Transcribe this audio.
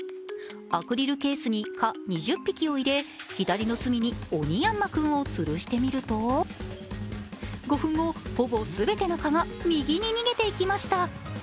アクリルケースに蚊２０匹を入れ、左の隅におにやんま君をつるしてみると５分後、ほぼ全ての蚊が右に逃げていきました。